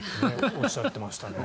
おっしゃってましたね。